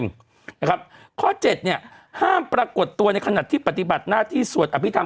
นะครับข้อเจ็ดเนี่ยห้ามปรากฏตัวในขณะที่ปฏิบัติหน้าที่สวดอภิษฐรร